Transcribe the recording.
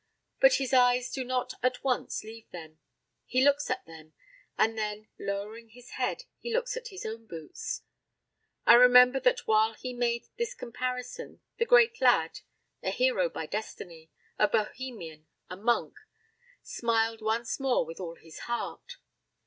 But his eyes do not at once leave them. He looks at them, and then lowering his head, he looks at his own boots. I remember that while he made this comparison the great lad a hero by destiny, a Bohemian, a monk smiled once more with all his heart.